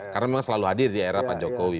karena memang selalu hadir di era pak jokowi